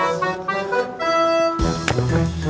aduh apa dah jadi ah